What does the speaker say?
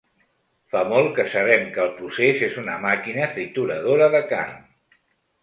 Fa molt que sabem que el procés és una màquina trituradora de carn.